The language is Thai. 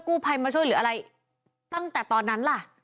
กู้ภัยมาช่วยหรืออะไรตั้งแต่ตอนนั้นล่ะ